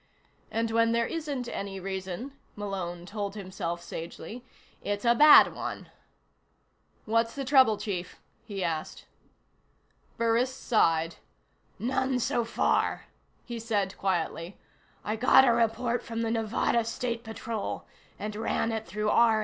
And when there isn't any reason, Malone told himself sagely, it's a bad one. "What's the trouble, Chief?" he asked. Burris sighed. "None so far," he said quietly. "I got a report from the Nevada State Patrol, and ran it through R&I.